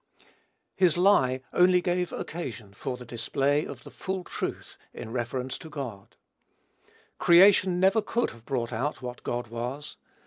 His lie only gave occasion for the display of the full truth in reference to God. Creation never could have brought out what God was.